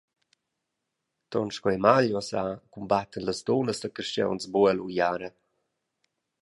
Ton sco Emalio sa, cumbattan las dunnas da carstgauns buc ell’uiara.